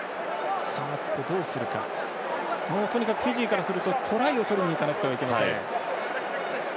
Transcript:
とにかく、フィジーからするとトライを取りにいかなくてはいけません。